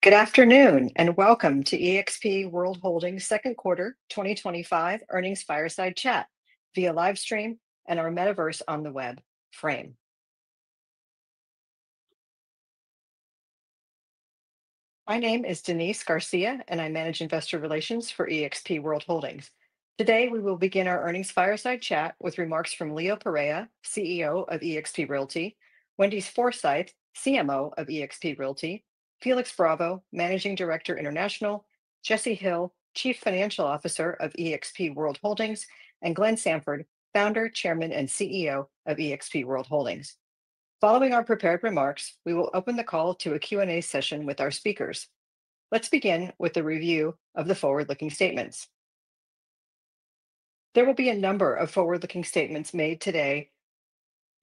Good afternoon and welcome to eXp World Holdings second quarter 2025 earnings fireside chat via livestream and our metaverse on the web Frame. My name is Denise Garcia, and I manage Investor Relations for eXp World Holdings. Today, we will begin our earnings fireside chat with remarks from Leo Pareja, CEO of eXp Realty, Wendy Forsythe, CMO of eXp Realty, Felix Bravo, Managing Director International, Jesse Hill, Chief Financial Officer of eXp World Holdings, and Glenn Sanford, Founder, Chairman, and CEO of eXp World Holdings. Following our prepared remarks, we will open the call to a Q&A session with our speakers. Let's begin with a review of the forward-looking statements. There will be a number of forward-looking statements made today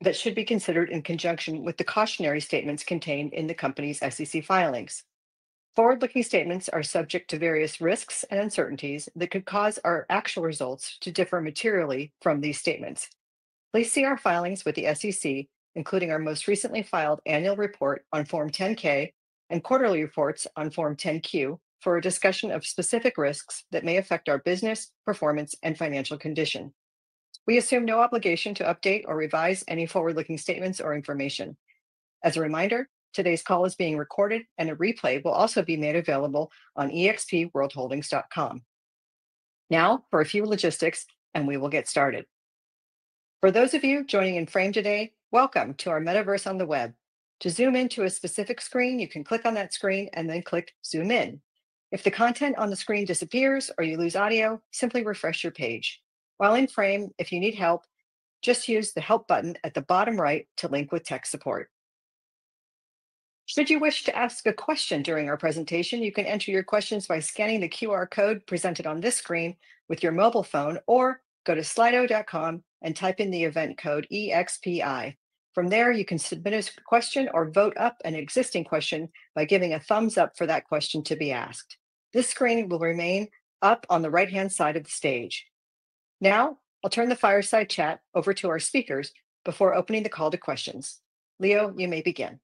that should be considered in conjunction with the cautionary statements contained in the company's SEC filings. Forward-looking statements are subject to various risks and uncertainties that could cause our actual results to differ materially from these statements. Please see our filings with the SEC, including our most recently filed annual report on Form 10-K and quarterly reports on Form 10-Q, for a discussion of specific risks that may affect our business, performance, and financial condition. We assume no obligation to update or revise any forward-looking statements or information. As a reminder, today's call is being recorded, and a replay will also be made available on eXpWorldHoldings.com. Now, for a few logistics, and we will get started. For those of you joining in Frame today, welcome to our metaverse on the web. To zoom in to a specific screen, you can click on that screen and then click Zoom In. If the content on the screen disappears or you lose audio, simply refresh your page. While in Frame, if you need help, just use the Help button at the bottom right to link with tech support. Should you wish to ask a question during our presentation, you can enter your questions by scanning the QR code presented on this screen with your mobile phone or go to slido.com and type in the event code EXPI. From there, you can submit a question or vote up an existing question by giving a thumbs up for that question to be asked. This screen will remain up on the right-hand side of the stage. Now, I'll turn the fireside chat over to our speakers before opening the call to questions. Leo, you may begin.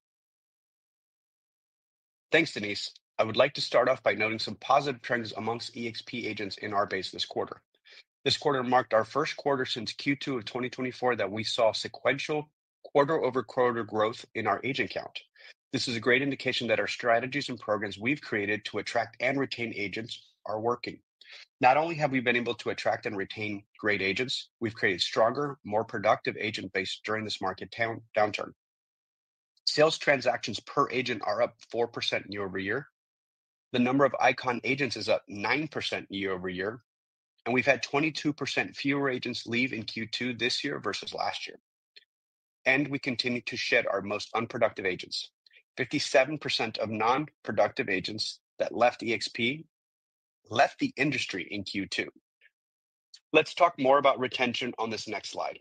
Thanks, Denise. I would like to start off by noting some positive trends amongst eXp agents in our base this quarter. This quarter marked our first quarter since Q2 of 2024 that we saw sequential quarter-over-quarter growth in our agent count. This is a great indication that our strategies and programs we've created to attract and retain agents are working. Not only have we been able to attract and retain great agents, we've created a stronger, more productive agent base during this market downturn. Sales transactions per agent are up 4% year over year. The number of ICON agents is up 9% year over year, and we've had 22% fewer agents leave in Q2 this year versus last year. We continue to shed our most unproductive agents. 57% of non-productive agents that left eXp left the industry in Q2. Let's talk more about retention on this next slide.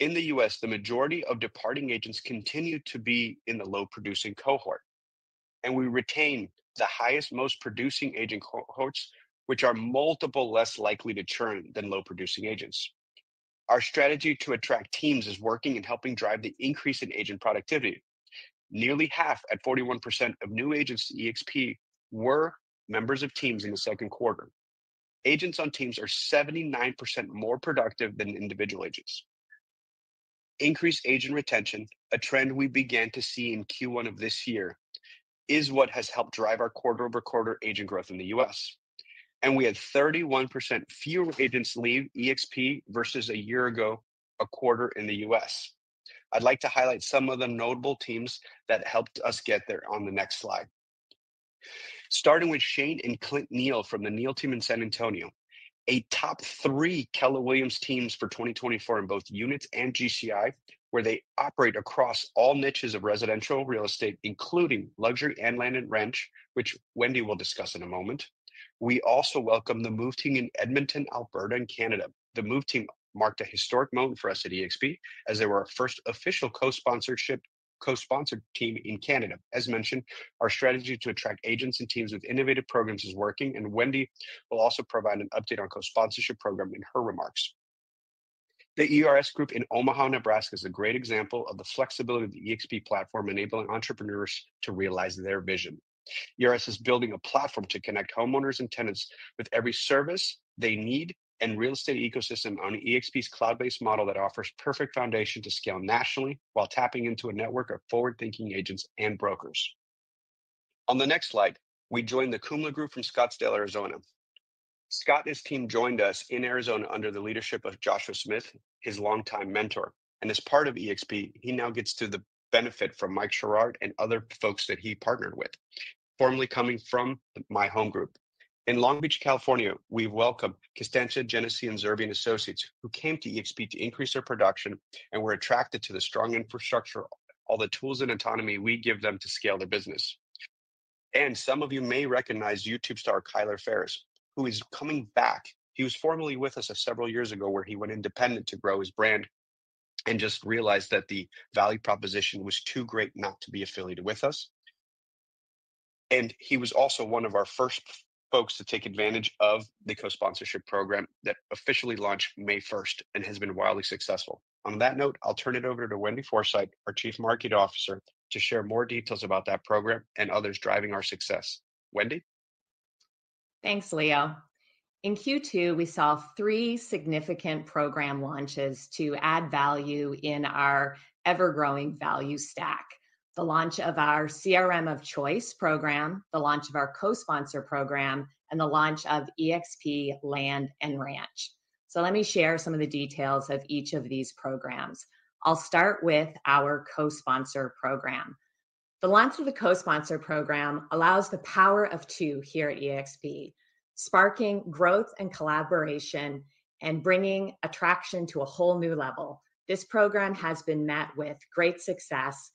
In the U.S., the majority of departing agents continue to be in the low-producing cohort, and we retain the highest most producing agent cohorts, which are multiple less likely to churn than low-producing agents. Our strategy to attract teams is working in helping drive the increase in agent productivity. Nearly half, at 41% of new agents to eXp, were members of teams in the second quarter. Agents on teams are 79% more productive than individual agents. Increased agent retention, a trend we began to see in Q1 of this year, is what has helped drive our quarter-over-quarter agent growth in the U.S. We had 31% fewer agents leave eXp versus a year ago, a quarter in the U.S. I'd like to highlight some of the notable teams that helped us get there on the next slide. Starting with Shane and Clint Neal from the Neal Team in San Antonio, a top three Keller Williams team for 2024 in both units and GCI, where they operate across all niches of residential real estate, including luxury and land and ranch, which Wendy will discuss in a moment. We also welcome the Move Team in Edmonton, Alberta, and Canada. The Move Team marked a historic moment for us at eXp as they were our first official co-sponsored team in Canada. As mentioned, our strategy to attract agents and teams with innovative programs is working, and Wendy will also provide an update on the Co-Sponsor program in her remarks. The ERS Group in Omaha, Nebraska, is a great example of the flexibility of the eXp platform enabling entrepreneurs to realize their vision. ERS Group is building a platform to connect homeowners and tenants with every service they need and real estate ecosystem on eXp's cloud-based model that offers a perfect foundation to scale nationally while tapping into a network of forward-thinking agents and brokers. On the next slide, we join the Kumla Group from Scottsdale, Arizona. Scott and his team joined us in Arizona under the leadership of Joshua Smith, his longtime mentor. As part of eXp, he now gets to benefit from Mike Sherard and other folks that he partnered with, formerly coming from My Home Group. In Long Beach, California, we welcome Costancia, Genesis, and Zervian Associates, who came to eXp to increase their production and were attracted to the strong infrastructure, all the tools and autonomy we give them to scale their business. Some of you may recognize YouTube star Kyler Ferris, who is coming back. He was formerly with us several years ago where he went independent to grow his brand and just realized that the value proposition was too great not to be affiliated with us. He was also one of our first folks to take advantage of the Co-Sponsor program that officially launched May 1st and has been wildly successful. On that note, I'll turn it over to Wendy Forsythe, our Chief Marketing Officer, to share more details about that program and others driving our success. Wendy? Thanks, Leo. In Q2, we saw three significant program launches to add value in our ever-growing value stack: the launch of our CRM of Choice program, the launch of our Co-Sponsor program, and the launch of eXp Land and Ranch. Let me share some of the details of each of these programs. I'll start with our Co-Sponsor program. The launch of the Co-Sponsor program allows the power of two here at eXp, sparking growth and collaboration and bringing attraction to a whole new level. This program has been met with great success.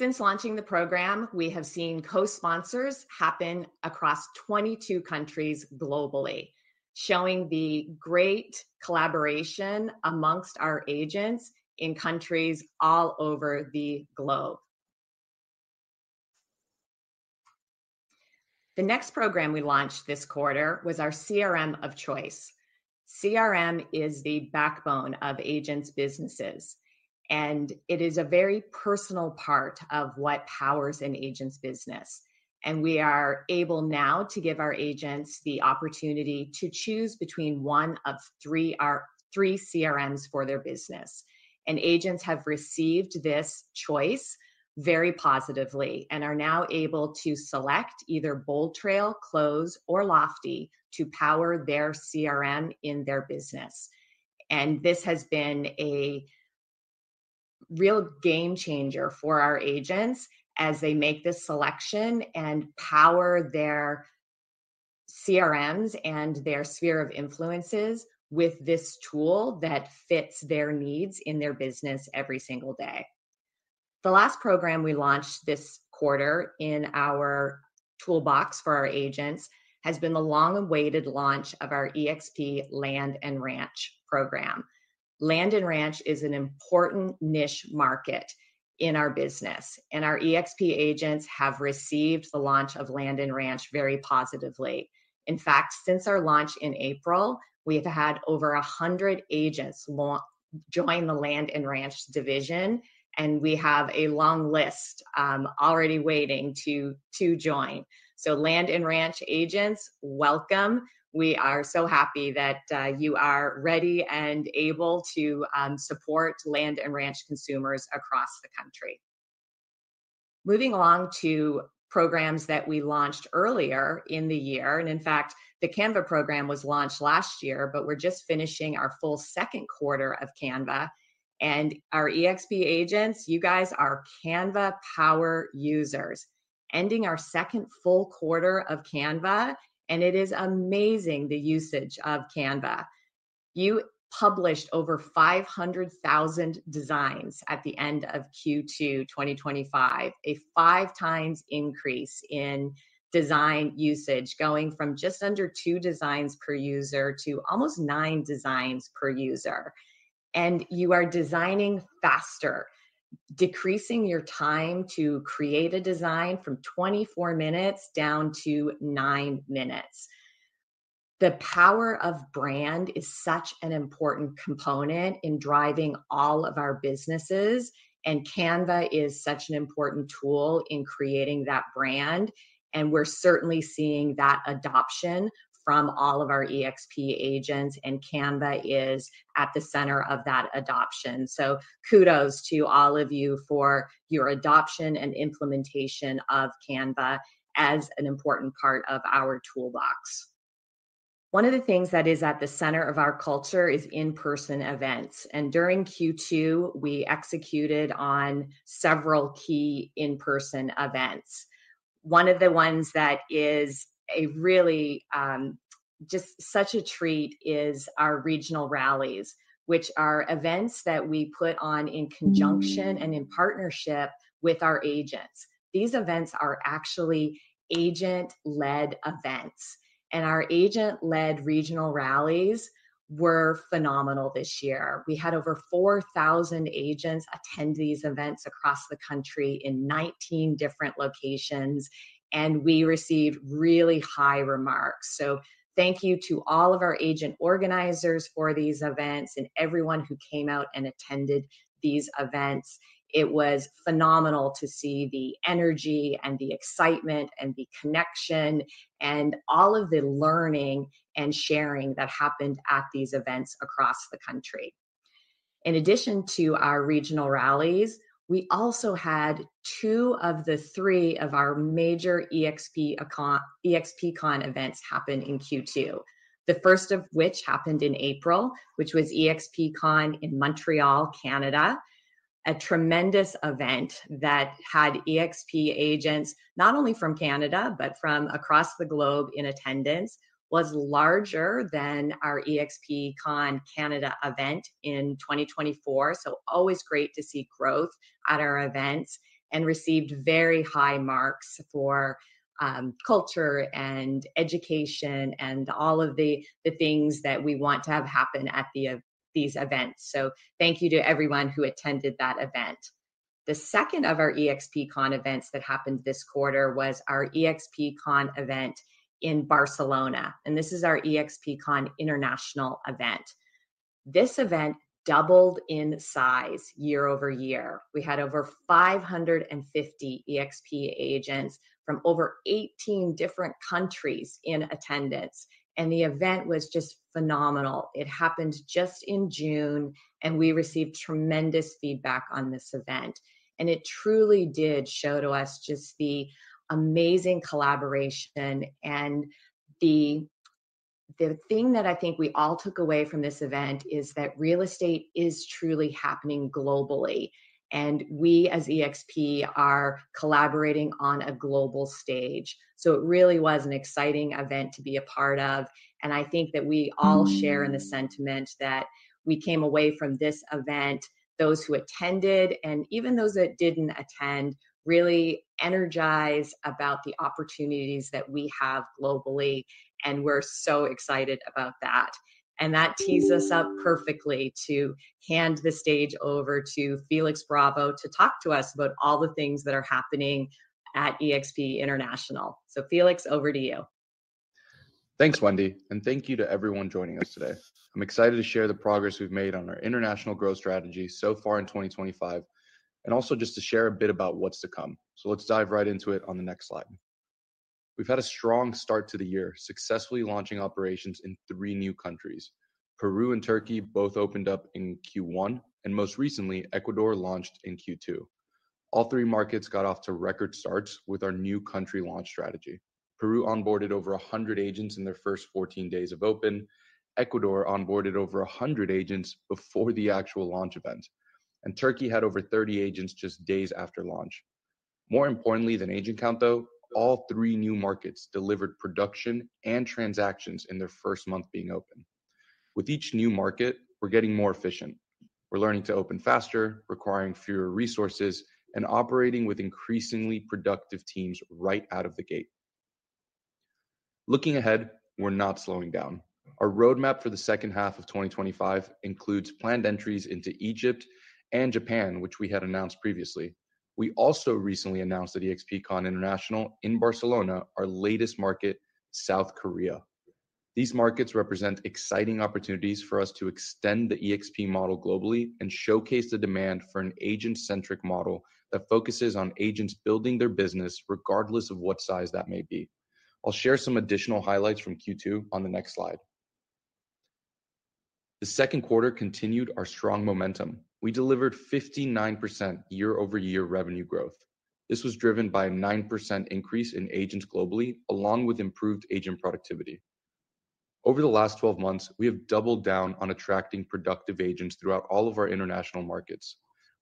Since launching the program, we have seen co-sponsors happen across 22 countries globally, showing the great collaboration amongst our agents in countries all over the globe. The next program we launched this quarter was our CRM of Choice. CRM is the backbone of agents' businesses, and it is a very personal part of what powers an agent's business. We are able now to give our agents the opportunity to choose between one of three CRMs for their business. Agents have received this choice very positively and are now able to select either Boldtrail, Close, or Lofty to power their CRM in their business. This has been a real game changer for our agents as they make this selection and power their CRMs and their sphere of influences with this tool that fits their needs in their business every single day. The last program we launched this quarter in our toolbox for our agents has been the long-awaited launch of our eXp Land and Ranch program. Land and Ranch is an important niche market in our business, and our eXp agents have received the launch of Land and Ranch very positively. In fact, since our launch in April, we've had over 100 agents join the Land and Ranch division, and we have a long list already waiting to join. Land and Ranch agents, welcome. We are so happy that you are ready and able to support Land and Ranch consumers across the country. Moving along to programs that we launched earlier in the year, the Canva program was launched last year, but we're just finishing our full second quarter of Canva. Our eXp agents, you guys are Canva power users, ending our second full quarter of Canva, and it is amazing the usage of Canva. You published over 500,000 designs at the end of Q2 2025, a five-times increase in design usage, going from just under two designs per user to almost nine designs per user. You are designing faster, decreasing your time to create a design from 24 minutes down to nine minutes. The power of brand is such an important component in driving all of our businesses, and Canva is such an important tool in creating that brand. We're certainly seeing that adoption from all of our eXp agents, and Canva is at the center of that adoption. Kudos to all of you for your adoption and implementation of Canva as an important part of our toolbox. One of the things that is at the center of our culture is in-person events. During Q2, we executed on several key in-person events. One of the ones that is really just such a treat is our regional rallies, which are events that we put on in conjunction and in partnership with our agents. These events are actually agent-led events, and our agent-led regional rallies were phenomenal this year. We had over 4,000 agents attend events across the country in 19 different locations, and we received really high remarks. Thank you to all of our agent organizers for these events and everyone who came out and attended these events. It was phenomenal to see the energy and the excitement and the connection and all of the learning and sharing that happened at these events across the country. In addition to our regional rallies, we also had two of the three of our major eXpCon events happen in Q2, the first of which happened in April, which was eXpCon in Montreal, Canada, a tremendous event that had eXp agents not only from Canada, but from across the globe in attendance, was larger than our eXpCon Canada event in 2024. Always great to see growth at our events and received very high marks for culture and education and all of the things that we want to have happen at these events. Thank you to everyone who attended that event. The second of our eXpCon events that happened this quarter was our eXpCon event in Barcelona, and this is our eXpCon International event. This event doubled in size year over year. We had over 550 eXp agents from over 18 different countries in attendance, and the event was just phenomenal. It happened just in June, and we received tremendous feedback on this event, and it truly did show to us just the amazing collaboration. The thing that I think we all took away from this event is that real estate is truly happening globally, and we as eXp are collaborating on a global stage. It really was an exciting event to be a part of, and I think that we all share in the sentiment that we came away from this event, those who attended and even those that didn't attend, really energized about the opportunities that we have globally. We're so excited about that. That tees us up perfectly to hand the stage over to Felix Bravo to talk to us about all the things that are happening at eXp International. Felix, over to you. Thanks, Wendy, and thank you to everyone joining us today. I'm excited to share the progress we've made on our international growth strategy so far in 2025, and also just to share a bit about what's to come. Let's dive right into it on the next slide. We've had a strong start to the year, successfully launching operations in three new countries. Peru and Turkey both opened up in Q1, and most recently, Ecuador launched in Q2. All three markets got off to record starts with our new country launch strategy. Peru onboarded over 100 agents in their first 14 days of open. Ecuador onboarded over 100 agents before the actual launch event, and Turkey had over 30 agents just days after launch. More importantly than agent count, though, all three new markets delivered production and transactions in their first month being open. With each new market, we're getting more efficient. We're learning to open faster, requiring fewer resources, and operating with increasingly productive teams right out of the gate. Looking ahead, we're not slowing down. Our roadmap for the second half of 2025 includes planned entries into Egypt and Japan, which we had announced previously. We also recently announced at eXpCon International in Barcelona, our latest market, South Korea. These markets represent exciting opportunities for us to extend the eXp model globally and showcase the demand for an agent-centric model that focuses on agents building their business, regardless of what size that may be. I'll share some additional highlights from Q2 on the next slide. The second quarter continued our strong momentum. We delivered 59% year-over-year revenue growth. This was driven by a 9% increase in agents globally, along with improved agent productivity. Over the last 12 months, we have doubled down on attracting productive agents throughout all of our international markets.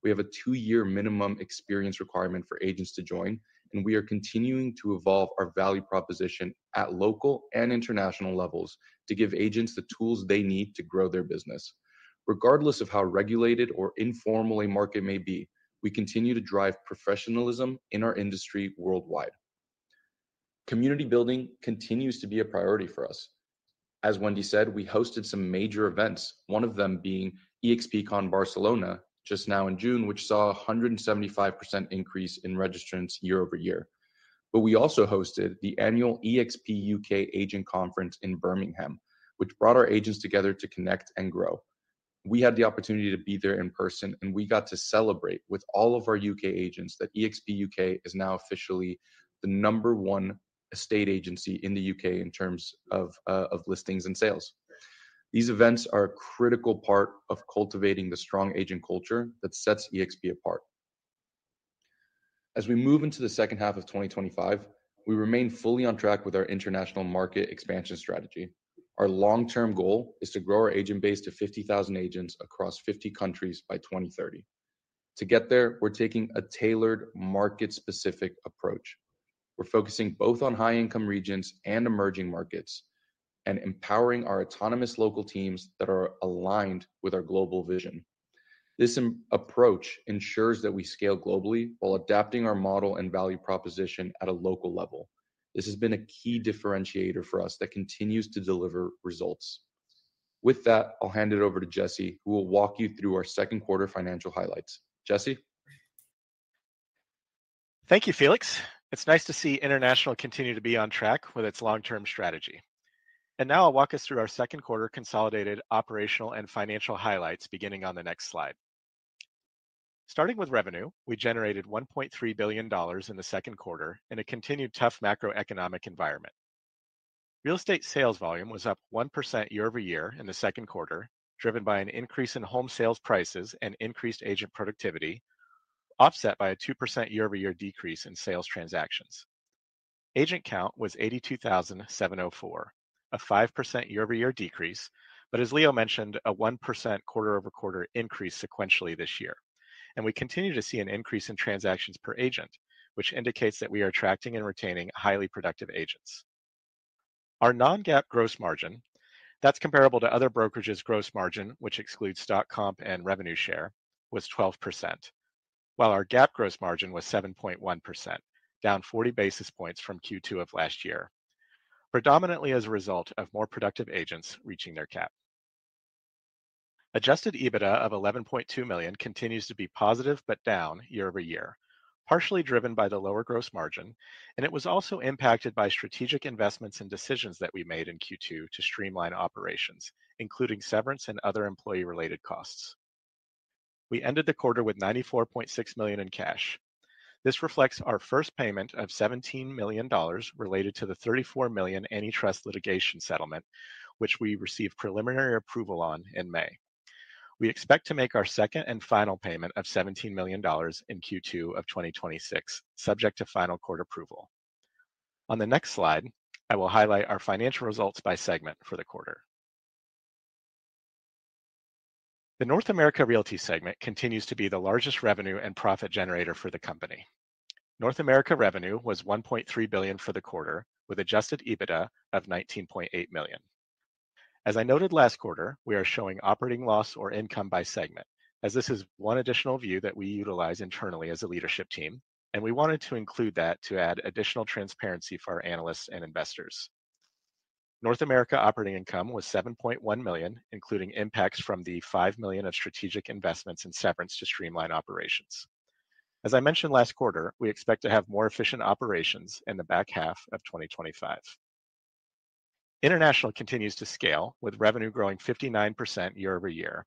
We have a two-year minimum experience requirement for agents to join, and we are continuing to evolve our value proposition at local and international levels to give agents the tools they need to grow their business. Regardless of how regulated or informal a market may be, we continue to drive professionalism in our industry worldwide. Community building continues to be a priority for us. As Wendy said, we hosted some major events, one of them being eXpCon Barcelona just now in June, which saw a 175% increase in registrants year over year. We also hosted the annual eXp UK Agent Conference in Birmingham, which brought our agents together to connect and grow. We had the opportunity to be there in person, and we got to celebrate with all of our UK agents that eXp UK is now officially the number one estate agency in the UK in terms of listings and sales. These events are a critical part of cultivating the strong agent culture that sets eXp apart. As we move into the second half of 2025, we remain fully on track with our international market expansion strategy. Our long-term goal is to grow our agent base to 50,000 agents across 50 countries by 2030. To get there, we're taking a tailored market-specific approach. We're focusing both on high-income regions and emerging markets and empowering our autonomous local teams that are aligned with our global vision. This approach ensures that we scale globally while adapting our model and value proposition at a local level. This has been a key differentiator for us that continues to deliver results. With that, I'll hand it over to Jesse, who will walk you through our second quarter financial highlights. Jesse? Thank you, Felix. It's nice to see International continue to be on track with its long-term strategy. Now I'll walk us through our second quarter consolidated operational and financial highlights beginning on the next slide. Starting with revenue, we generated $1.3 billion in the second quarter in a continued tough macroeconomic environment. Real estate sales volume was up 1% year over year in the second quarter, driven by an increase in home sales prices and increased agent productivity, offset by a 2% year-over-year decrease in sales transactions. Agent count was 82,704, a 5% year-over-year decrease, but as Leo mentioned, a 1% quarter-over-quarter increase sequentially this year. We continue to see an increase in transactions per agent, which indicates that we are attracting and retaining highly productive agents. Our non-GAAP gross margin, that's comparable to other brokerages' gross margin, which excludes stock comp and revenue share, was 12%, while our GAAP gross margin was 7.1%, down 40 basis points from Q2 of last year, predominantly as a result of more productive agents reaching their cap. Adjusted EBITDA of $11.2 million continues to be positive but down year over year, partially driven by the lower gross margin, and it was also impacted by strategic investments and decisions that we made in Q2 to streamline operations, including severance and other employee-related costs. We ended the quarter with $94.6 million in cash. This reflects our first payment of $17 million related to the $34 million antitrust litigation settlement, which we received preliminary approval on in May. We expect to make our second and final payment of $17 million in Q2 of 2026, subject to final court approval. On the next slide, I will highlight our financial results by segment for the quarter. The North America Realty segment continues to be the largest revenue and profit generator for the company. North America revenue was $1.3 billion for the quarter, with adjusted EBITDA of $19.8 million. As I noted last quarter, we are showing operating loss or income by segment, as this is one additional view that we utilize internally as a leadership team, and we wanted to include that to add additional transparency for our analysts and investors. North America operating income was $7.1 million, including impacts from the $5 million of strategic investments and severance to streamline operations. As I mentioned last quarter, we expect to have more efficient operations in the back half of 2025. International continues to scale, with revenue growing 59% year over year,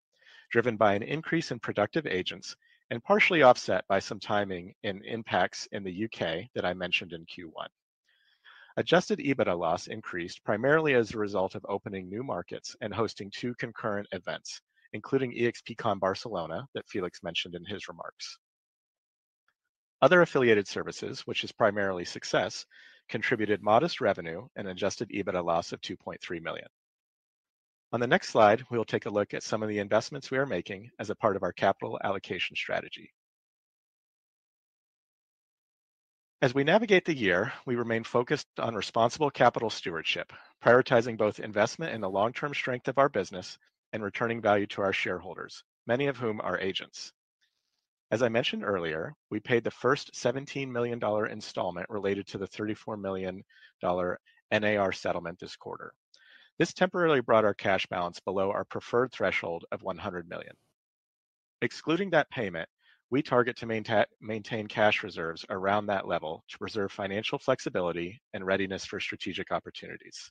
driven by an increase in productive agents and partially offset by some timing and impacts in the UK that I mentioned in Q1. Adjusted EBITDA loss increased primarily as a result of opening new markets and hosting two concurrent events, including eXpCon Barcelona that Felix mentioned in his remarks. Other affiliated services, which is primarily Success, contributed modest revenue and adjusted EBITDA loss of $2.3 million. On the next slide, we will take a look at some of the investments we are making as a part of our capital allocation strategy. As we navigate the year, we remain focused on responsible capital stewardship, prioritizing both investment in the long-term strength of our business and returning value to our shareholders, many of whom are agents. As I mentioned earlier, we paid the first $17 million installment related to the $34 million NAR settlement this quarter. This temporarily brought our cash balance below our preferred threshold of $100 million. Excluding that payment, we target to maintain cash reserves around that level to preserve financial flexibility and readiness for strategic opportunities.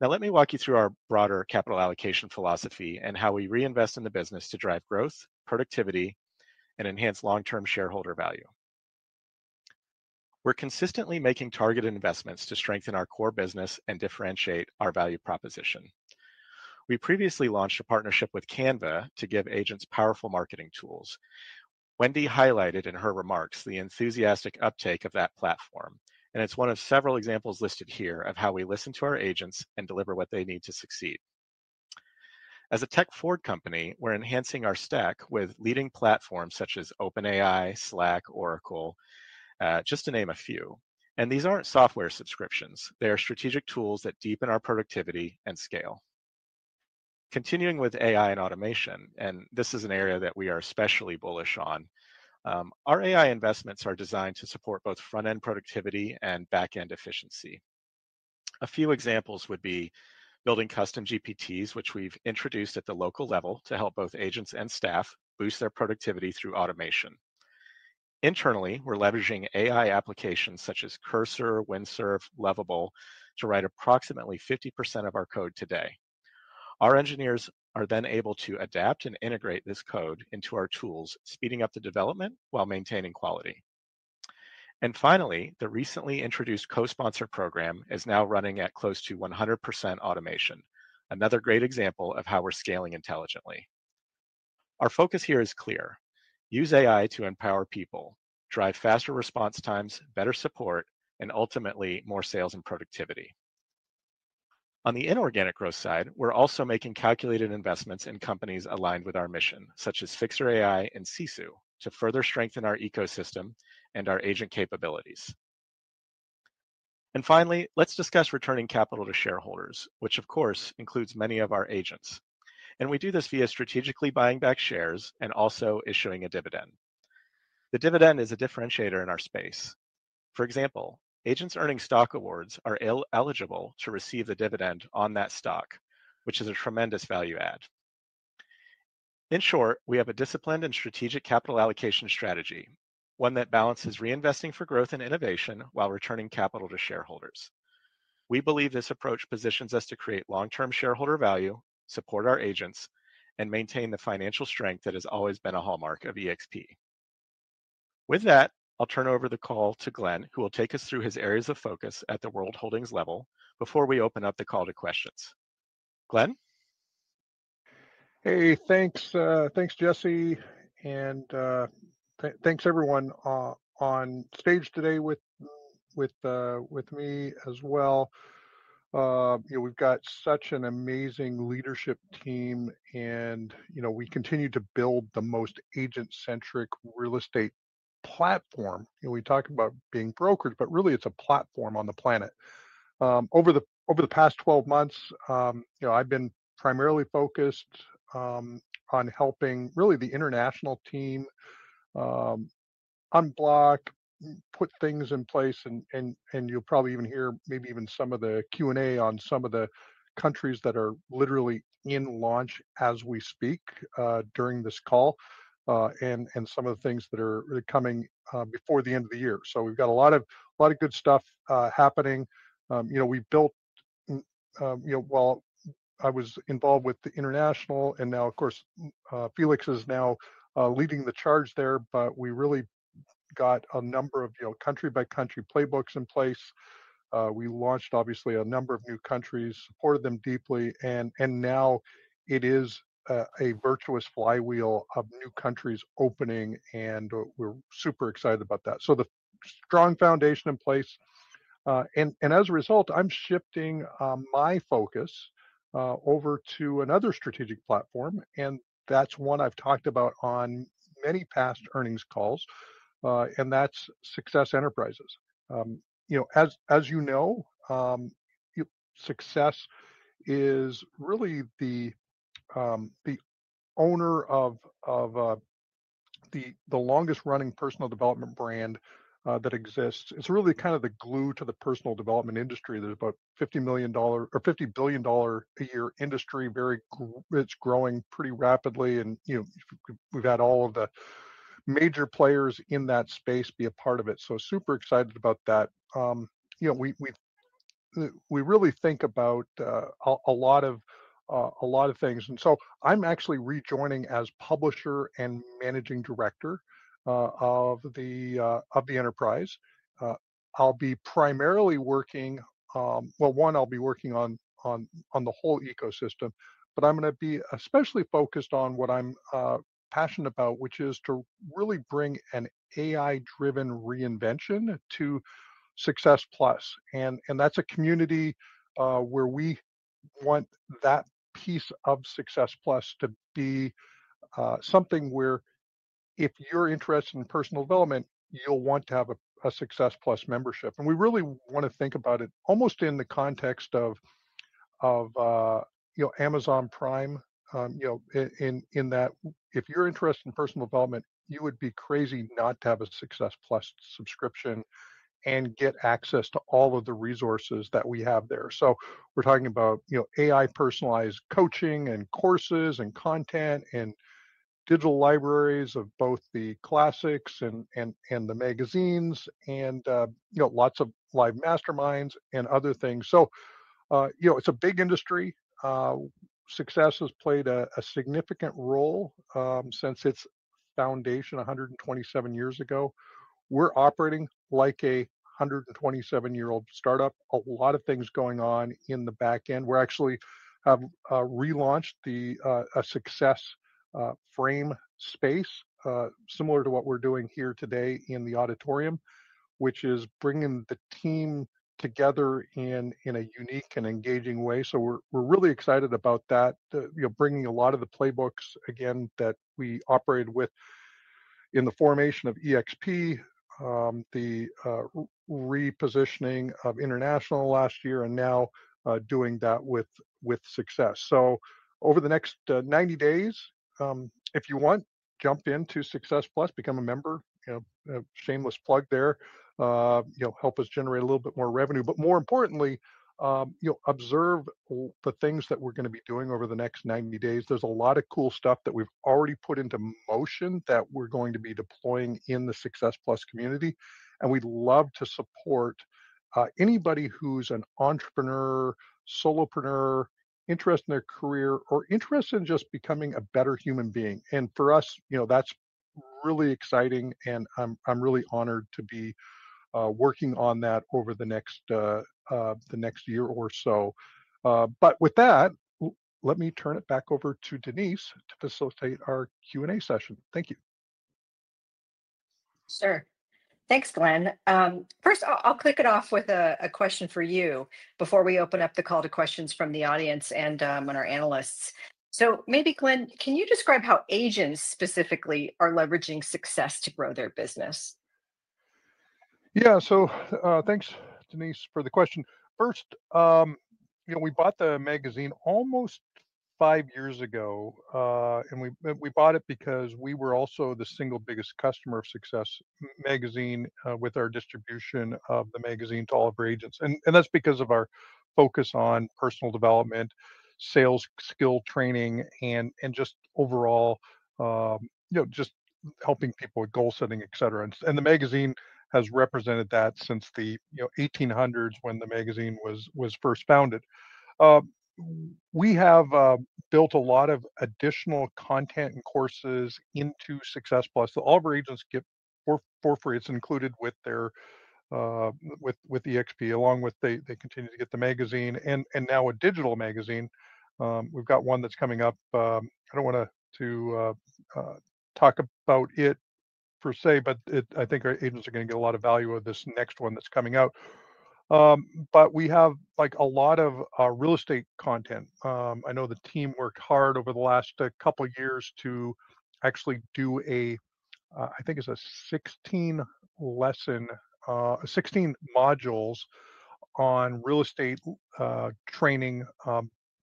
Now let me walk you through our broader capital allocation philosophy and how we reinvest in the business to drive growth, productivity, and enhance long-term shareholder value. We're consistently making targeted investments to strengthen our core business and differentiate our value proposition. We previously launched a partnership with Canva to give agents powerful marketing tools. Wendy highlighted in her remarks the enthusiastic uptake of that platform, and it's one of several examples listed here of how we listen to our agents and deliver what they need to succeed. As a tech forward company, we're enhancing our stack with leading platforms such as OpenAI, Slack, Oracle, just to name a few. These aren't software subscriptions, they are strategic tools that deepen our productivity and scale. Continuing with AI and automation, and this is an area that we are especially bullish on, our AI investments are designed to support both front-end productivity and back-end efficiency. A few examples would be building custom GPTs, which we've introduced at the local level to help both agents and staff boost their productivity through automation. Internally, we're leveraging AI applications such as Cursor, Windsurf, Lovable to write approximately 50% of our code today. Our engineers are then able to adapt and integrate this code into our tools, speeding up the development while maintaining quality. The recently introduced Co-Sponsor program is now running at close to 100% automation, another great example of how we're scaling intelligently. Our focus here is clear: use AI to empower people, drive faster response times, better support, and ultimately more sales and productivity. On the inorganic growth side, we're also making calculated investments in companies aligned with our mission, such as Fixer AI and Sisu, to further strengthen our ecosystem and our agent capabilities. Let's discuss returning capital to shareholders, which of course includes many of our agents. We do this via strategically buying back shares and also issuing a dividend. The dividend is a differentiator in our space. For example, agents earning stock awards are eligible to receive the dividend on that stock, which is a tremendous value add. In short, we have a disciplined and strategic capital allocation strategy, one that balances reinvesting for growth and innovation while returning capital to shareholders. We believe this approach positions us to create long-term shareholder value, support our agents, and maintain the financial strength that has always been a hallmark of eXp. With that, I'll turn over the call to Glenn, who will take us through his areas of focus at the World Holdings level before we open up the call to questions. Glenn? Hey, thanks, thanks Jesse, and thanks everyone on stage today with me as well. You know, we've got such an amazing leadership team, and you know we continue to build the most agent-centric real estate platform. We talk about being brokers, but really it's a platform on the planet. Over the past 12 months, I've been primarily focused on helping really the international team unblock, put things in place, and you'll probably even hear maybe even some of the Q&A on some of the countries that are literally in launch as we speak during this call and some of the things that are really coming before the end of the year. We've got a lot of good stuff happening. We've built, while I was involved with the international, and now of course Felix is now leading the charge there, but we really got a number of country-by-country playbooks in place. We launched obviously a number of new countries, supported them deeply, and now it is a virtuous flywheel of new countries opening, and we're super excited about that. The strong foundation in place, and as a result, I'm shifting my focus over to another strategic platform, and that's one I've talked about on many past earnings calls, and that's Success Enterprises. As you know, Success is really the owner of the longest running personal development brand that exists. It's really kind of the glue to the personal development industry. There's about $50 billion a year industry, it's growing pretty rapidly, and we've had all of the major players in that space be a part of it. Super excited about that. We really think about a lot of things, and so I'm actually rejoining as Publisher and Managing Director of the enterprise. I'll be primarily working, one, I'll be working on the whole ecosystem, but I'm going to be especially focused on what I'm passionate about, which is to really bring an AI-driven reinvention to Success Plus. That's a community where we want that piece of Success Plus to be something where if you're interested in personal development, you'll want to have a Success Plus membership. We really want to think about it almost in the context of Amazon Prime, in that if you're interested in personal development, you would be crazy not to have a Success Plus subscription and get access to all of the resources that we have there. We're talking about AI-personalized coaching and courses and content and digital libraries of both the classics and the magazines and lots of live masterminds and other things. It's a big industry. Success has played a significant role since its foundation 127 years ago. We're operating like a 127-year-old startup, a lot of things going on in the back end. We actually have relaunched a Success Frame space similar to what we're doing here today in the auditorium, which is bringing the team together in a unique and engaging way. We're really excited about that, bringing a lot of the playbooks again that we operated with in the formation of eXp, the repositioning of International last year, and now doing that with Success. Over the next 90 days, if you want, jump into Success Plus, become a member, shameless plug there, help us generate a little bit more revenue. More importantly, observe the things that we're going to be doing over the next 90 days. There's a lot of cool stuff that we've already put into motion that we're going to be deploying in the Success Plus community, and we'd love to support anybody who's an entrepreneur, solopreneur, interested in their career, or interested in just becoming a better human being. For us, that's really exciting, and I'm really honored to be working on that over the next year or so. With that, let me turn it back over to Denise to facilitate our Q&A session. Thank you. Sure. Thanks, Glenn. First, I'll kick it off with a question for you before we open up the call to questions from the audience and our analysts. Glenn, can you describe how agents specifically are leveraging Success to grow their business? Yeah, so thanks Denise for the question. First, you know we bought the magazine almost five years ago, and we bought it because we were also the single biggest customer of Success Magazine with our distribution of the magazine to all of our agents. That's because of our focus on personal development, sales skill training, and just overall, you know, just helping people with goal setting, et cetera. The magazine has represented that since the 1800s when the magazine was first founded. We have built a lot of additional content and courses into Success Plus. All of our agents get four free. It's included with their eXp, along with they continue to get the magazine and now a digital magazine. We've got one that's coming up. I don't want to talk about it per se, but I think our agents are going to get a lot of value of this next one that's coming out. We have like a lot of real estate content. I know the team worked hard over the last couple of years to actually do a, I think it's a 16 lesson, 16 modules on real estate training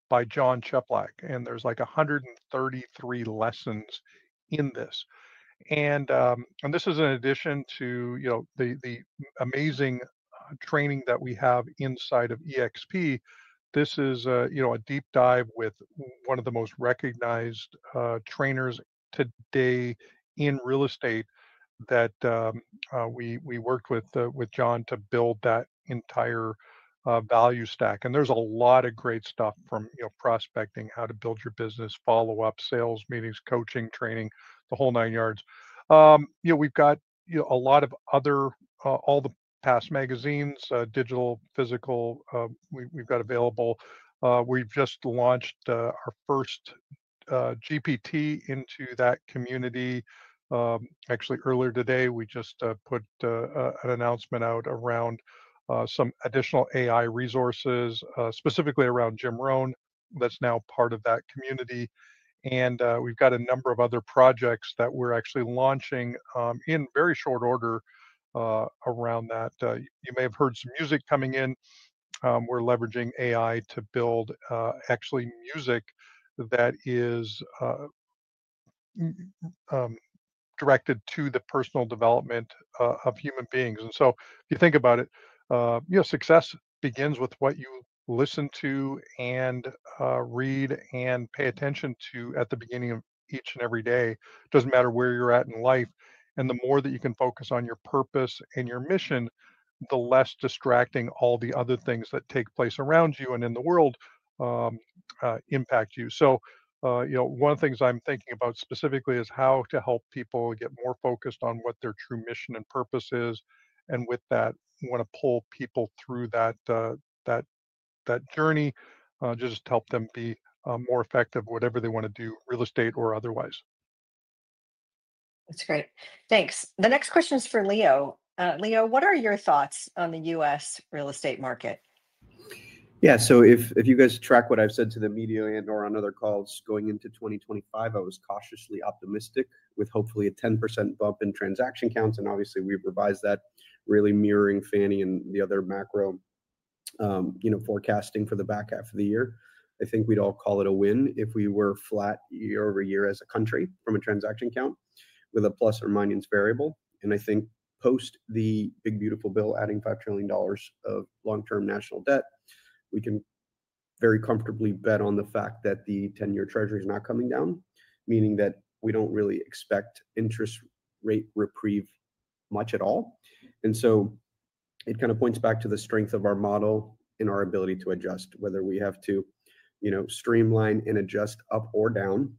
by John Cheplak. There's like 133 lessons in this. This is in addition to the amazing training that we have inside of eXp. This is a deep dive with one of the most recognized trainers today in real estate that we worked with John to build that entire value stack. There's a lot of great stuff from prospecting, how to build your business, follow-up, sales meetings, coaching, training, the whole nine yards. We've got a lot of other, all the past magazines, digital, physical, we've got available. We've just launched our first GPT into that community. Actually, earlier today, we just put an announcement out around some additional AI resources, specifically around Jim Rohn that's now part of that community. We've got a number of other projects that we're actually launching in very short order around that. You may have heard some music coming in. We're leveraging AI to build actually music that is directed to the personal development of human beings. If you think about it, you know, success begins with what you listen to and read and pay attention to at the beginning of each and every day. It doesn't matter where you're at in life. The more that you can focus on your purpose and your mission, the less distracting all the other things that take place around you and in the world impact you. One of the things I'm thinking about specifically is how to help people get more focused on what their true mission and purpose is. With that, I want to pull people through that journey, just help them be more effective at whatever they want to do, real estate or otherwise. That's great. Thanks. The next question is for Leo. Leo, what are your thoughts on the U.S. real estate market? Yeah, so if you guys track what I've said to the media and/or on other calls going into 2025, I was cautiously optimistic with hopefully a 10% bump in transaction counts. Obviously, we've revised that, really mirroring Fannie and the other macro forecasting for the back half of the year. I think we'd all call it a win if we were flat year over year as a country from a transaction count with a plus or minus variable. I think post the Big Beautiful Bill adding $5 trillion of long-term national debt, we can very comfortably bet on the fact that the 10-year treasury is not coming down, meaning that we don't really expect interest rate reprieve much at all. It kind of points back to the strength of our model and our ability to adjust, whether we have to streamline and adjust up or down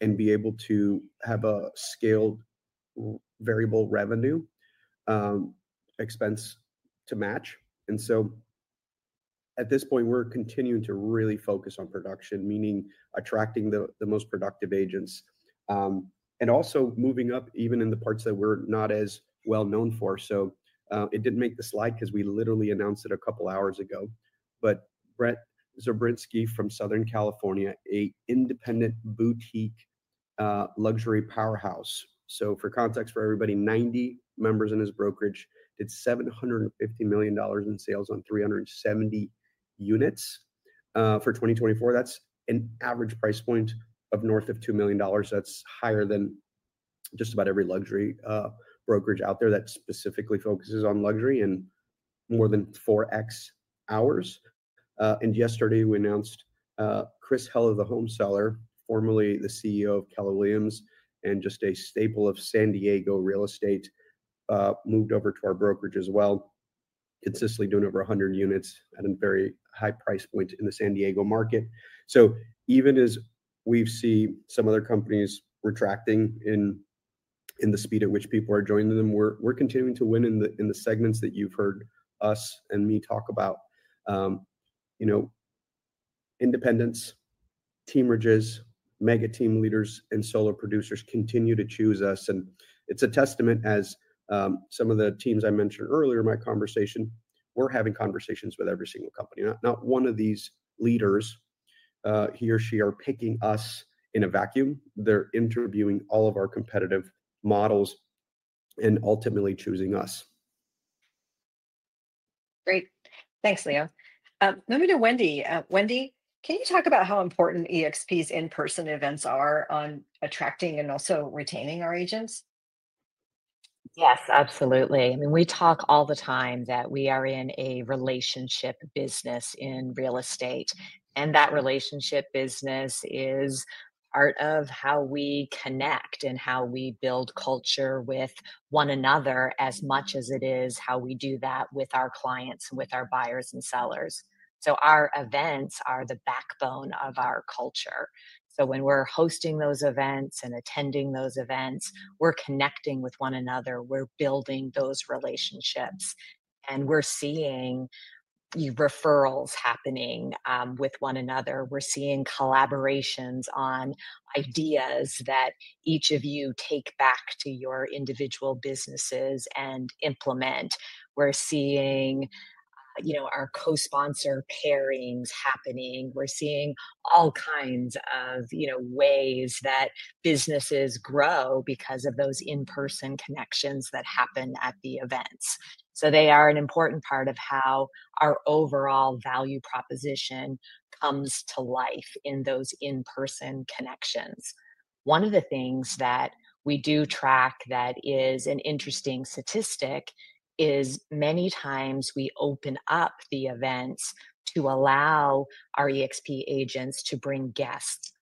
and be able to have a scaled variable revenue expense to match. At this point, we're continuing to really focus on production, meaning attracting the most productive agents and also moving up even in the parts that we're not as well known for. It didn't make the slide because we literally announced it a couple of hours ago. Brett Zurinsky from Southern California, an independent boutique luxury powerhouse. For context for everybody, 90 members in his brokerage did $750 million in sales on 370 units for 2024. That's an average price point of north of $2 million. That's higher than just about every luxury brokerage out there that specifically focuses on luxury and more than 4x ours. Yesterday, we announced Chris Heller, the home seller, formerly the CEO of Keller Williams and just a staple of San Diego real estate, moved over to our brokerage as well. Consistently doing over 100 units at a very high price point in the San Diego market. Even as we've seen some other companies retracting in the speed at which people are joining them, we're continuing to win in the segments that you've heard us and me talk about. Independents, teamridges, mega team leaders, and solo producers continue to choose us. It's a testament as some of the teams I mentioned earlier in my conversation, we're having conversations with every single company. Not one of these leaders he or she are picking us in a vacuum. They're interviewing all of our competitive models and ultimately choosing us. Great. Thanks, Leo. Moving to Wendy. Wendy, can you talk about how important eXp's in-person events are on attracting and also retaining our agents? Yes, absolutely. I mean, we talk all the time that we are in a relationship business in real estate. That relationship business is part of how we connect and how we build culture with one another as much as it is how we do that with our clients, with our buyers and sellers. Our events are the backbone of our culture. When we're hosting those events and attending those events, we're connecting with one another, we're building those relationships, and we're seeing referrals happening with one another. We're seeing collaborations on ideas that each of you take back to your individual businesses and implement. We're seeing our co-sponsor pairings happening. We're seeing all kinds of ways that businesses grow because of those in-person connections that happen at the events. They are an important part of how our overall value proposition comes to life in those in-person connections. One of the things that we do track that is an interesting statistic is many times we open up the events to allow our eXp agents to bring guests.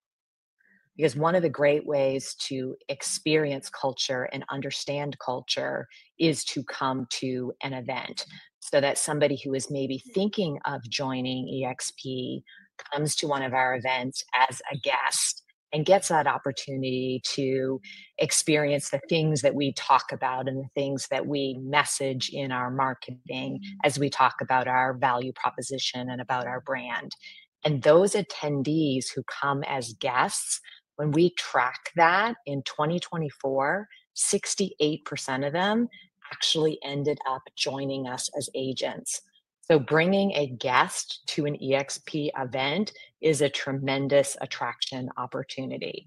One of the great ways to experience culture and understand culture is to come to an event so that somebody who is maybe thinking of joining eXp comes to one of our events as a guest and gets that opportunity to experience the things that we talk about and the things that we message in our marketing as we talk about our value proposition and about our brand. Those attendees who come as guests, when we track that in 2024, 68% of them actually ended up joining us as agents. Bringing a guest to an eXp event is a tremendous attraction opportunity.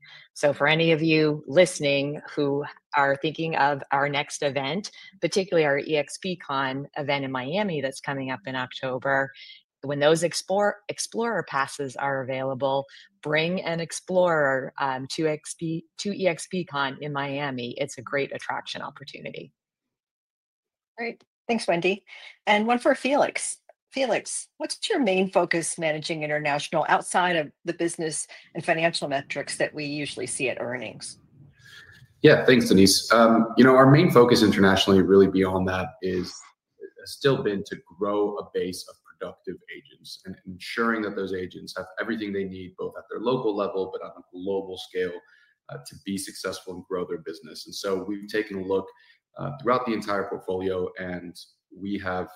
For any of you listening who are thinking of our next event, particularly our eXpCon event in Miami that's coming up in October, when those Explorer Passes are available, bring an Explorer to eXpCon in Miami. It's a great attraction opportunity. All right. Thanks, Wendy. One for Felix. Felix, what's your main focus managing international outside of the business and financial metrics that we usually see at earnings? Yeah, thanks, Denise. You know, our main focus internationally, really beyond that, has still been to grow a base of productive agents and ensuring that those agents have everything they need both at their local level but on a global scale to be successful and grow their business. We have taken a look throughout the entire portfolio, and we have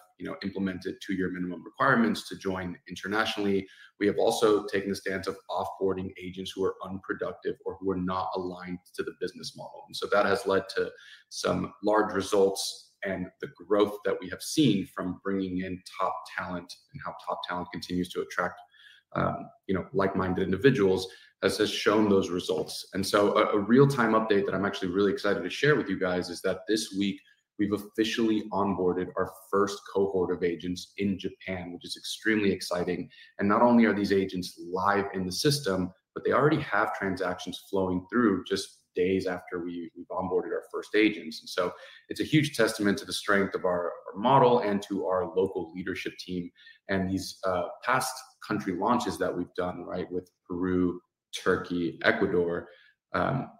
implemented two-year minimum requirements to join internationally. We have also taken the stance of offboarding agents who are unproductive or who are not aligned to the business model. That has led to some large results, and the growth that we have seen from bringing in top talent and how top talent continues to attract, you know, like-minded individuals has shown those results. A real-time update that I'm actually really excited to share with you guys is that this week we've officially onboarded our first cohort of agents in Japan, which is extremely exciting. Not only are these agents live in the system, but they already have transactions flowing through just days after we've onboarded our first agents. It's a huge testament to the strength of our model and to our local leadership team. These past country launches that we've done, right, with Peru, Turkey, Ecuador,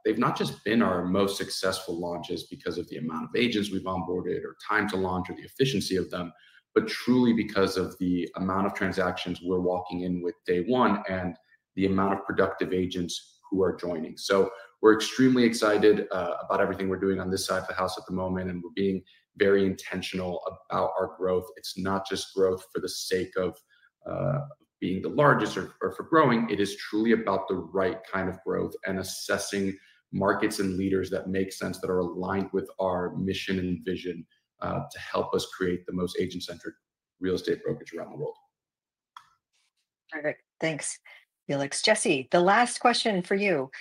they've not just been our most successful launches because of the amount of agents we've onboarded or time to launch or the efficiency of them, but truly because of the amount of transactions we're walking in with day one and the amount of productive agents who are joining. We're extremely excited about everything we're doing on this side of the house at the moment, and we're being very intentional about our growth. It's not just growth for the sake of being the largest or for growing. It is truly about the right kind of growth and assessing markets and leaders that make sense, that are aligned with our mission and vision to help us create the most agent-centric real estate brokerage around the world. All right. Thanks, Felix. Jesse, the last question for you.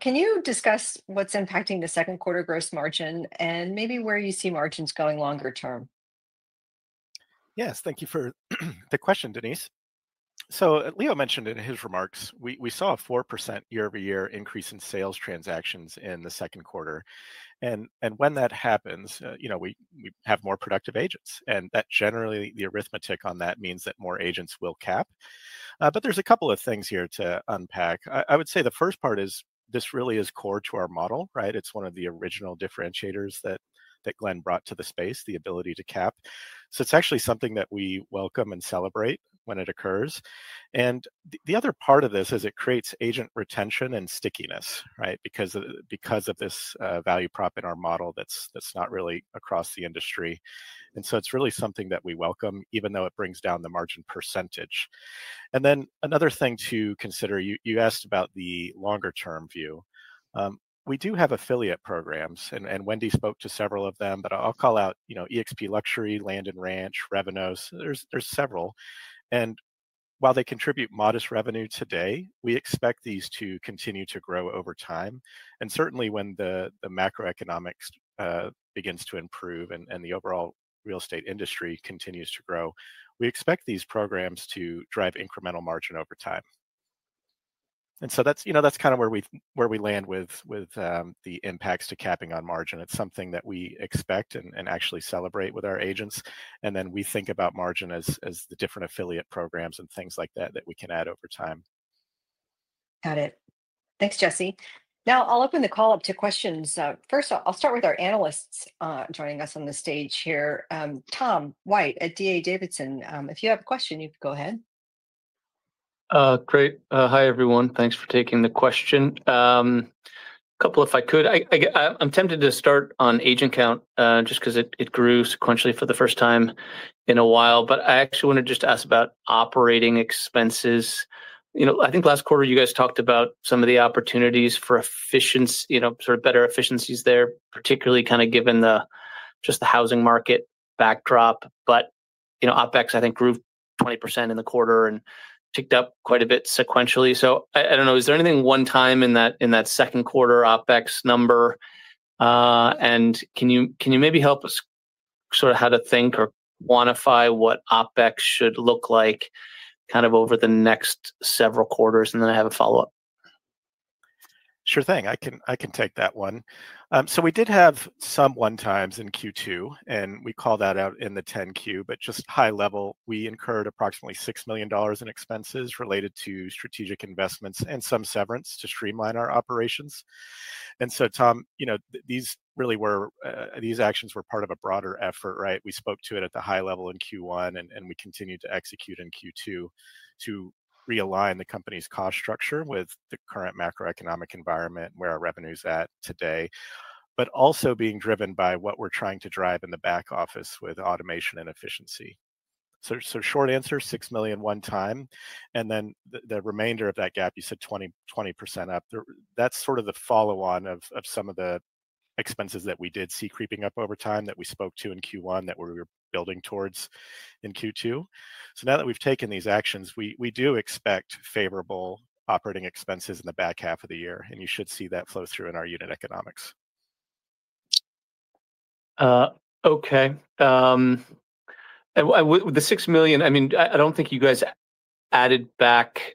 Can you discuss what's impacting the second quarter gross margin and maybe where you see margins going longer term? Yes, thank you for the question, Denise. Leo mentioned in his remarks, we saw a 4% year-over-year increase in sales transactions in the second quarter. When that happens, we have more productive agents, and generally, the arithmetic on that means that more agents will cap. There are a couple of things here to unpack. I would say the first part is this really is core to our model, right? It's one of the original differentiators that Glenn brought to the space, the ability to cap. It's actually something that we welcome and celebrate when it occurs. The other part of this is it creates agent retention and stickiness because of this value prop in our model that's not really across the industry. It's really something that we welcome, even though it brings down the margin percentage. Another thing to consider, you asked about the longer-term view. We do have affiliate programs, and Wendy spoke to several of them, but I'll call out eXp Luxury, eXp Land and Ranch, Revenos. There are several, and while they contribute modest revenue today, we expect these to continue to grow over time. Certainly, when the macroeconomic environment begins to improve and the overall real estate industry continues to grow, we expect these programs to drive incremental margin over time. That's kind of where we land with the impacts to capping on margin. It's something that we expect and actually celebrate with our agents. We think about margin as the different affiliate programs and things like that that we can add over time. Got it. Thanks, Jesse. Now I'll open the call up to questions. First, I'll start with our analysts joining us on the stage here. Tom White at D.A. Davidson, if you have a question, you could go ahead. Great. Hi everyone. Thanks for taking the question. A couple, if I could. I'm tempted to start on agent count just because it grew sequentially for the first time in a while. I actually want to just ask about operating expenses. I think last quarter you guys talked about some of the opportunities for efficiency, sort of better efficiencies there, particularly kind of given just the housing market backdrop. OpEx, I think, grew 20% in the quarter and ticked up quite a bit sequentially. I don't know, is there anything one time in that second quarter OpEx number? Can you maybe help us sort of how to think or quantify what OpEx should look like kind of over the next several quarters? I have a follow-up. Sure thing. I can take that one. We did have some one-times in Q2, and we call that out in the 10Q, but just high level, we incurred approximately $6 million in expenses related to strategic investments and some severance to streamline our operations. Tom, these really were, these actions were part of a broader effort, right? We spoke to it at the high level in Q1, and we continued to execute in Q2 to realign the company's cost structure with the current macroeconomic environment where our revenue is at today, but also being driven by what we're trying to drive in the back office with automation and efficiency. Short answer, $6 million one time. The remainder of that gap, you said 20% up. That's sort of the follow-on of some of the expenses that we did see creeping up over time that we spoke to in Q1 that we're building towards in Q2. Now that we've taken these actions, we do expect favorable operating expenses in the back half of the year, and you should see that flow through in our unit economics. Okay. The $6 million, I mean, I don't think you guys added back,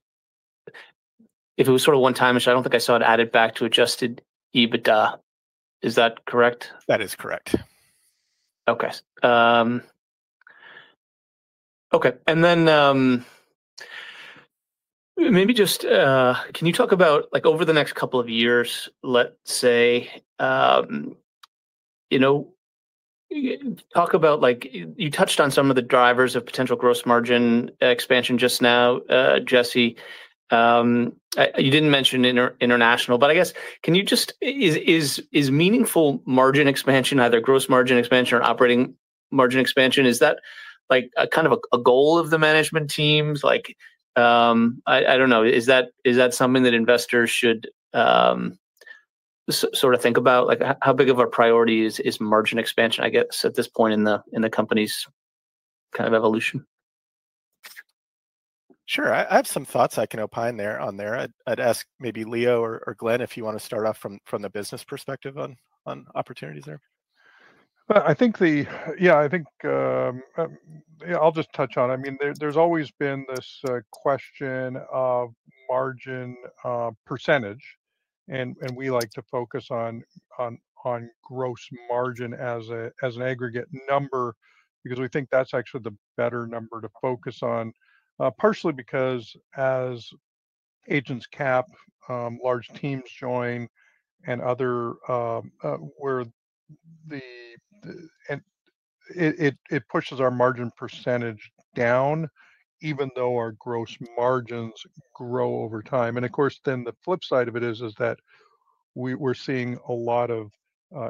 if it was sort of one-time issue, I don't think I saw it added back to adjusted EBITDA. Is that correct? That is correct. Okay. Maybe just can you talk about like over the next couple of years, let's say, you know, talk about like you touched on some of the drivers of potential gross margin expansion just now, Jesse. You didn't mention international, but I guess can you just, is meaningful margin expansion, either gross margin expansion or operating margin expansion, is that like a kind of a goal of the management teams? I don't know, is that something that investors should sort of think about? How big of a priority is margin expansion, I guess, at this point in the company's kind of evolution? Sure. I have some thoughts I can opine on there. I'd ask maybe Leo or Glenn if you want to start off from the business perspective on opportunities there. I think, yeah, I'll just touch on it. I mean, there's always been this question of margin %, and we like to focus on gross margin as an aggregate number because we think that's actually the better number to focus on, partially because as agents cap, large teams join, and other, where it pushes our margin % down, even though our gross margins grow over time. Of course, the flip side of it is that we're seeing a lot of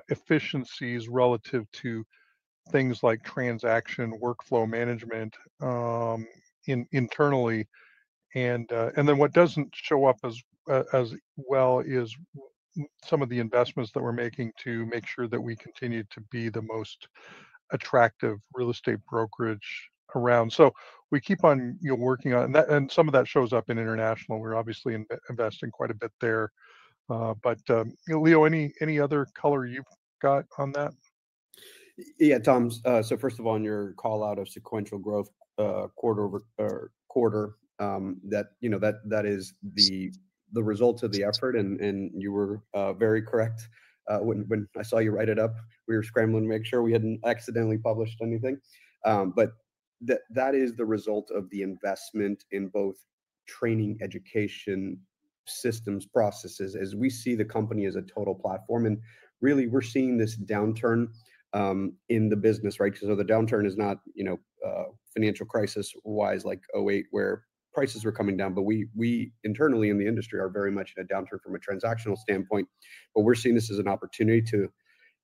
efficiencies relative to things like transaction workflow management internally. What doesn't show up as well is some of the investments that we're making to make sure that we continue to be the most attractive real estate brokerage around. We keep on working on it, and some of that shows up in international. We're obviously investing quite a bit there. Leo, any other color you've got on that? Yeah, Tom. First of all, on your call out of sequential growth quarter, that is the result of the effort, and you were very correct when I saw you write it up. We were scrambling to make sure we hadn't accidentally published anything. That is the result of the investment in both training, education systems, processes, as we see the company as a total platform. Really, we're seeing this downturn in the business, right? The downturn is not, you know, financial crisis-wise, like 2008, where prices were coming down. We internally in the industry are very much in a downturn from a transactional standpoint. We're seeing this as an opportunity to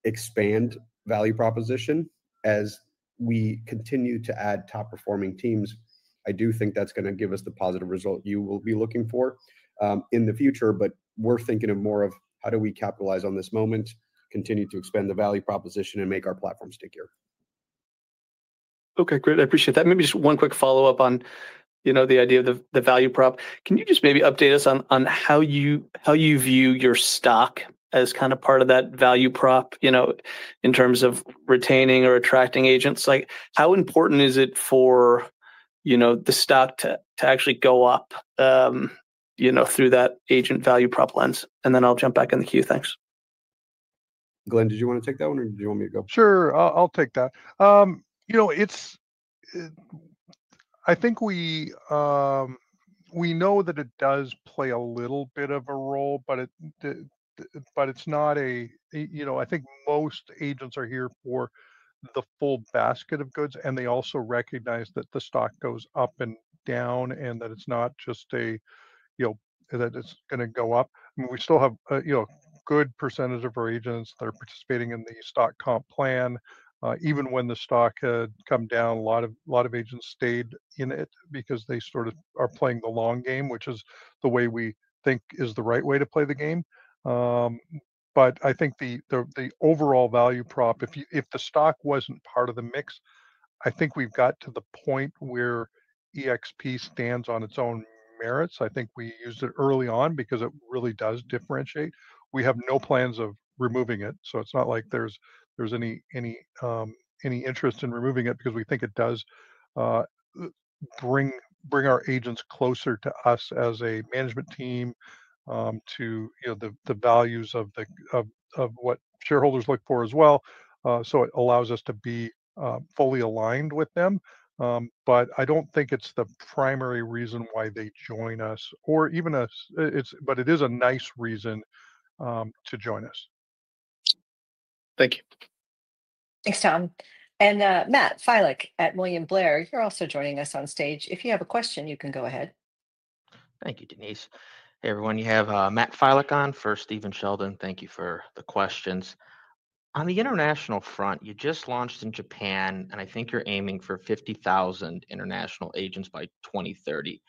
expand value proposition as we continue to add top-performing teams. I do think that's going to give us the positive result you will be looking for in the future. We're thinking of more of how do we capitalize on this moment, continue to expand the value proposition, and make our platform stickier. Okay, great. I appreciate that. Maybe just one quick follow-up on the idea of the value prop. Can you just maybe update us on how you view your stock as kind of part of that value prop, in terms of retaining or attracting agents? Like, how important is it for the stock to actually go up through that agent value prop lens? Thanks. Glenn, did you want to take that one or do you want me to go? Sure, I'll take that. I think we know that it does play a little bit of a role, but it's not a, I think most agents are here for the full basket of goods, and they also recognize that the stock goes up and down and that it's not just a, that it's going to go up. We still have a good % of our agents that are participating in the stock comp plan. Even when the stock had come down, a lot of agents stayed in it because they sort of are playing the long game, which is the way we think is the right way to play the game. I think the overall value prop, if the stock wasn't part of the mix, I think we've got to the point where eXp stands on its own merits. We used it early on because it really does differentiate. We have no plans of removing it. It's not like there's any interest in removing it because we think it does bring our agents closer to us as a management team to the values of what shareholders look for as well. It allows us to be fully aligned with them. I don't think it's the primary reason why they join us, or even a, but it is a nice reason to join us. Thank you. Thanks, Tom. Matt Filek at William Blair, you're also joining us on stage. If you have a question, you can go ahead. Thank you, Denise. Hey, everyone. You have Matt Filek on for Stephen Sheldon. Thank you for the questions. On the international front, you just launched in Japan, and I think you're aiming for 50,000 international agents by 2030.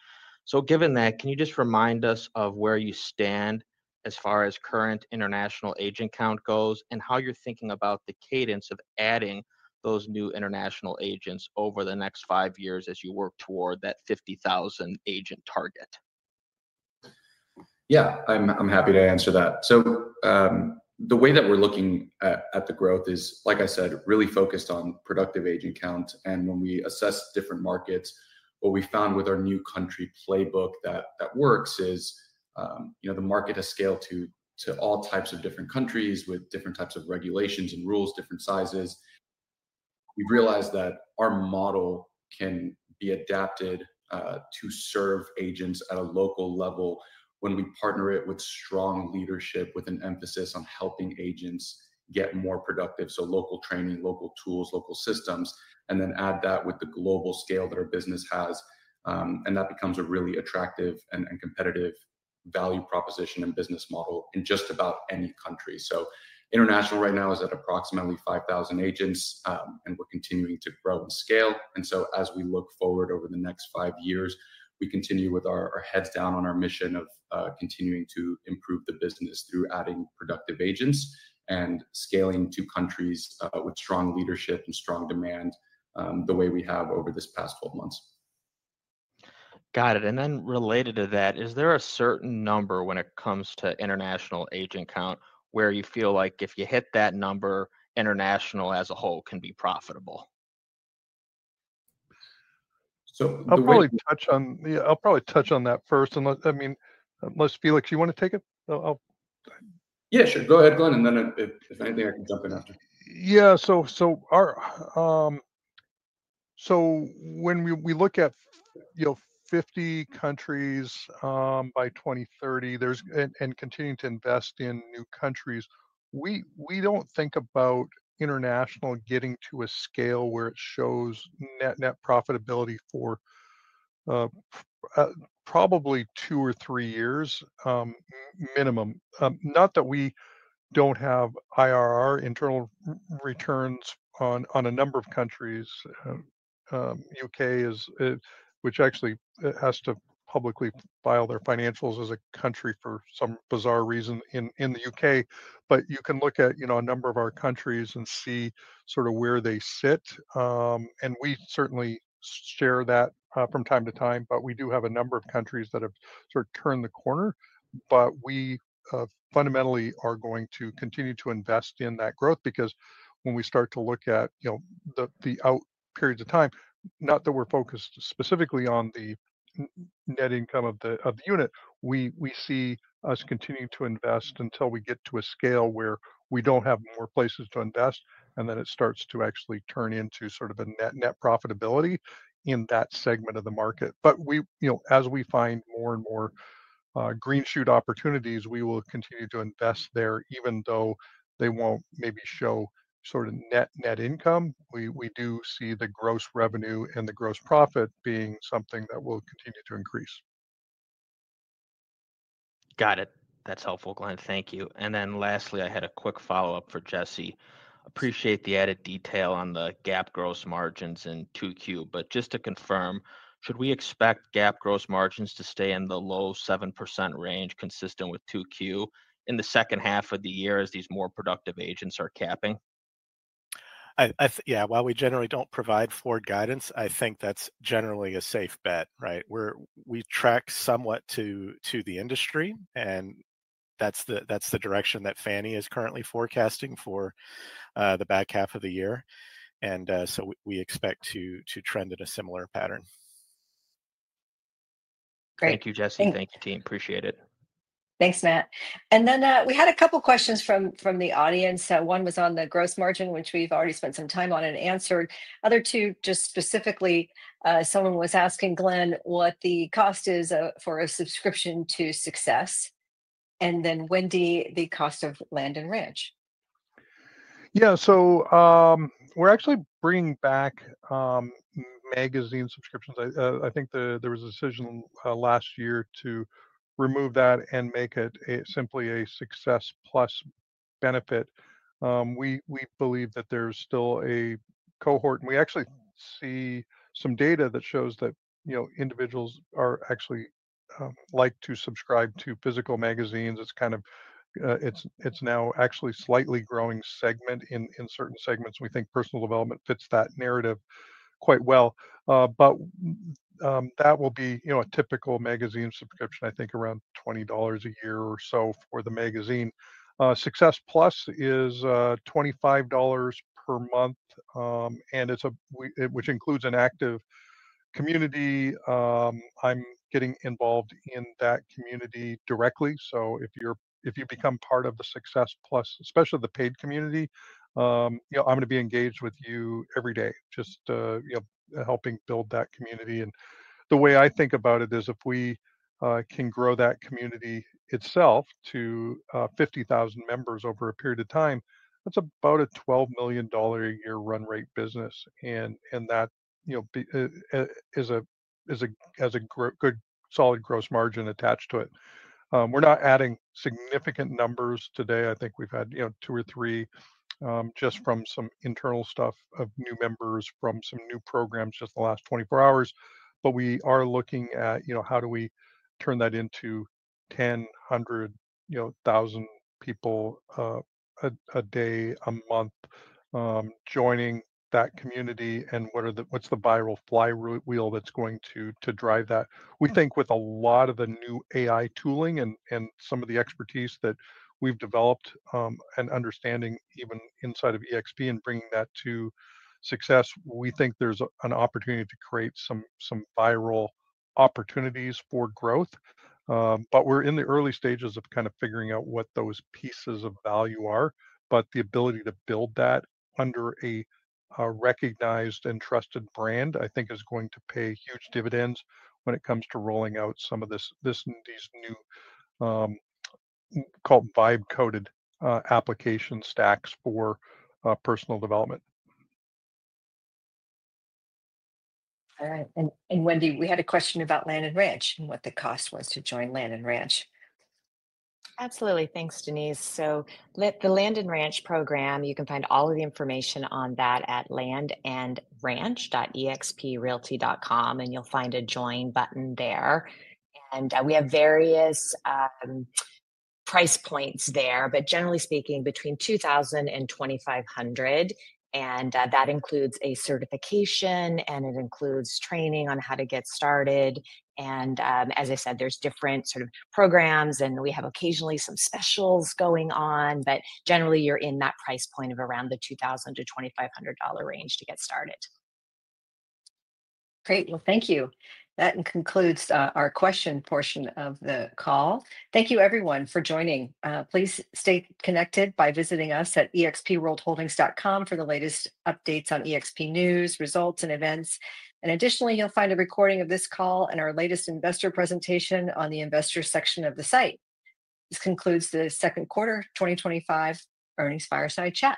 Given that, can you just remind us of where you stand as far as current international agent count goes and how you're thinking about the cadence of adding those new international agents over the next five years as you work toward that 50,000 agent target? Yeah, I'm happy to answer that. The way that we're looking at the growth is, like I said, really focused on productive agent count. When we assess different markets, what we found with our new country playbook that works is, you know, the market has scaled to all types of different countries with different types of regulations and rules, different sizes. We've realized that our model can be adapted to serve agents at a local level when we partner it with strong leadership with an emphasis on helping agents get more productive. Local training, local tools, local systems, and then add that with the global scale that our business has. That becomes a really attractive and competitive value proposition and business model in just about any country. International right now is at approximately 5,000 agents, and we're continuing to grow and scale. As we look forward over the next five years, we continue with our heads down on our mission of continuing to improve the business through adding productive agents and scaling to countries with strong leadership and strong demand the way we have over this past 12 months. Got it. Related to that, is there a certain number when it comes to international agent count where you feel like if you hit that number, international as a whole can be profitable? I'll probably touch on that first. I mean, unless Felix, you want to take it? Yeah, sure. Go ahead, Glenn. If anything, I can jump in after. Yeah, so when we look at, you know, 50 countries by 2030 and continuing to invest in new countries, we don't think about international getting to a scale where it shows net profitability for probably two or three years minimum. Not that we don't have IRR, internal returns on a number of countries. UK, which actually has to publicly file their financials as a country for some bizarre reason in the UK. You can look at, you know, a number of our countries and see sort of where they sit. We certainly share that from time to time, but we do have a number of countries that have sort of turned the corner. We fundamentally are going to continue to invest in that growth because when we start to look at, you know, the out periods of time, not that we're focused specifically on the net income of the unit, we see us continuing to invest until we get to a scale where we don't have more places to invest, and then it starts to actually turn into sort of a net profitability in that segment of the market. As we find more and more green shoot opportunities, we will continue to invest there, even though they won't maybe show sort of net net income. We do see the gross revenue and the gross profit being something that will continue to increase. Got it. That's helpful, Glenn. Thank you. Lastly, I had a quick follow-up for Jesse. Appreciate the added detail on the GAAP gross margins in 2Q. Just to confirm, should we expect GAAP gross margins to stay in the low 7% range consistent with 2Q in the second half of the year as these more productive agents are capping? Yeah, while we generally don't provide forward guidance, I think that's generally a safe bet, right? We track somewhat to the industry, and that's the direction that Fannie is currently forecasting for the back half of the year. We expect to trend in a similar pattern. Great. Thank you, Jesse. Thank you, team. Appreciate it. Thanks, Matt. We had a couple of questions from the audience. One was on the gross margin, which we've already spent some time on and answered. The other two, just specifically, someone was asking Glenn what the cost is for a subscription to Success. Then Wendy, the cost of Land and Ranch. Yeah, so we're actually bringing back magazine subscriptions. I think there was a decision last year to remove that and make it simply a Success Plus benefit. We believe that there's still a cohort, and we actually see some data that shows that individuals actually like to subscribe to physical magazines. It's kind of, it's now actually a slightly growing segment in certain segments. We think personal development fits that narrative quite well. That will be a typical magazine subscription, I think, around $20 a year or so for the magazine. Success Plus is $25 per month, which includes an active community. I'm getting involved in that community directly. If you become part of the Success Plus, especially the paid community, I'm going to be engaged with you every day, just helping build that community. The way I think about it is if we can grow that community itself to 50,000 members over a period of time, that's about a $12 million a year run rate business. That is a good solid gross margin attached to it. We're not adding significant numbers today. I think we've had two or three just from some internal stuff of new members from some new programs just in the last 24 hours. We are looking at how do we turn that into 10, 100, thousand people a day, a month joining that community? What's the viral flywheel that's going to drive that? We think with a lot of the new AI tooling and some of the expertise that we've developed and understanding even inside of eXp and bringing that to Success, we think there's an opportunity to create some viral opportunities for growth. We're in the early stages of kind of figuring out what those pieces of value are. The ability to build that under a recognized and trusted brand, I think, is going to pay huge dividends when it comes to rolling out some of these new, call it, vibe-coded application stacks for personal development. All right. Wendy, we had a question about eXp Land and Ranch and what the cost was to join eXp Land and Ranch. Absolutely. Thanks, Denise. The Land and Ranch program, you can find all of the information on that at landandranch.exprealty.com, and you'll find a join button there. We have various price points there, but generally speaking, between $2,000 and $2,500. That includes a certification, and it includes training on how to get started. There are different sort of programs, and we have occasionally some specials going on, but generally, you're in that price point of around the $2,000-$2,500 range to get started. Great. Thank you. That concludes our question portion of the call. Thank you, everyone, for joining. Please stay connected by visiting us at eXpWorldHoldings.com for the latest updates on eXp news, results, and events. Additionally, you'll find a recording of this call and our latest investor presentation on the investor section of the site. This concludes the second quarter 2025 earnings fireside chat.